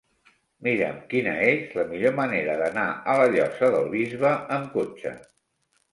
Mira'm quina és la millor manera d'anar a la Llosa del Bisbe amb cotxe.